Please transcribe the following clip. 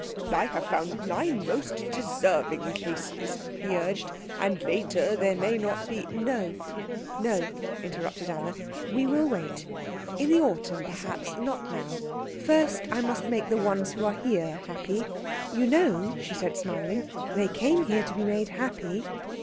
"I have found nine most deserving cases," he urged, "and later there may not be " "No, no," interrupted Anna, "we will wait. In the autumn, perhaps not now. First I must make the ones who are here happy. You know," she said, smiling, "they came here to be made happy."